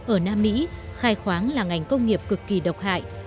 ở nam mỹ khai khoáng là ngành công nghiệp cực kỳ độc hại